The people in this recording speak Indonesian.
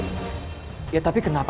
kau tak bisa mencoba